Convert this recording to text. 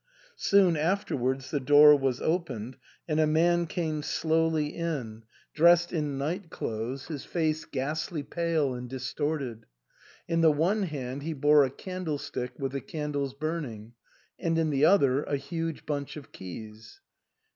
Soon afterwards the door was opened and a man came slowly in, dressed in night 302 THE ENTAIL. clothes, his face ghastly pale and distorted ; in the one hand he bore a candle stick with the candles burning, and in the other a huge bunch of keys.